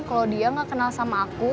kalau dia gak kenal sama aku